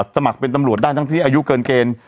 สมัครเป็นตำรวจได้ทั้งที่อายุเกินเกณฑ์